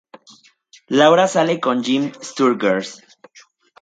Laura sale con Jim Sturgess.